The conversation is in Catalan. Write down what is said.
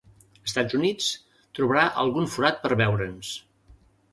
Estats Units, trobarà algun forat per veure'ns.